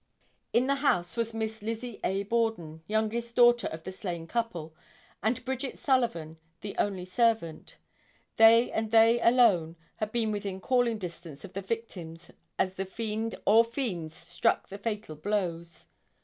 In the house was Miss Lizzie A. Borden, youngest daughter of the slain couple, and Bridget Sullivan, the only servant. They and they alone had been within calling distance of the victims as the fiend or fiends struck the fatal blows.